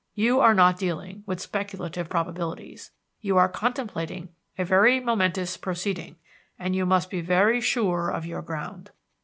You are not dealing with speculative probabilities. You are contemplating a very momentous proceeding, and you must be very sure of your ground.